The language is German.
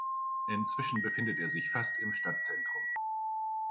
Inzwischen befindet er sich fast im Stadtzentrum.